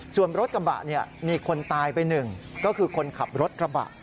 ส่วนรถกระบะมีคนตายไปหนึ่งก็คือคนขับรถกระบะ